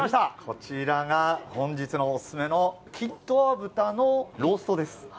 こちらが本日のおすすめのキントア豚のローストです。